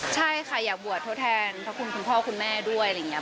ใช่ค่ะอยากบวชโทษแทนคุณพ่อคุณแม่ด้วย